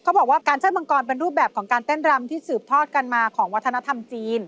เขาบอกว่าการเชิดมังกรเป็นรูปแบบของการเต้นรำที่สืบทอดกันมาของวัฒนธรรมจีน